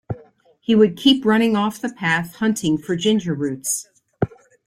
He would keep running off the path hunting for ginger-roots.